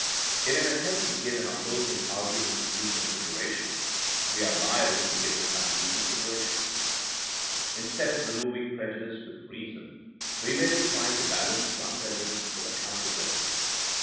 In an attempt to give an opposing argoment due consideration, wo are liable to give it undue consideration* Instead of removing prejudice with reason we may be trying to balance one prejudice with a counter prejudice.